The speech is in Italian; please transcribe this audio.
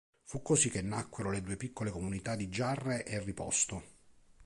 Fu così che nacquero le due piccole comunità di Giarre e Riposto.